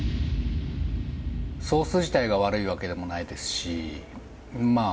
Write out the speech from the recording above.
ソース自体が悪いわけでもないですしまあ